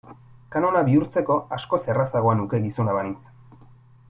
Kanona bihurtzeko askoz errazagoa nuke gizona banintz.